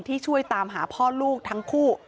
ช่วยตามหาพ่อลูกทั้งคู่